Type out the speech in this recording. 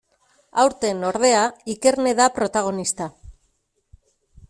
Aurten, ordea, Ikerne da protagonista.